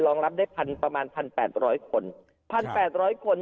รองรับได้พันประมาณพันแปดร้อยคนพันแปดร้อยคน